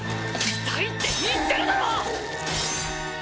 痛いって言ってるだろ！